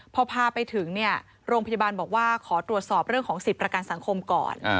พอพาไปถึงเนี่ยโรงพยาบาลบอกว่าขอตรวจสอบเรื่องของสิทธิ์ประกันสังคมก่อน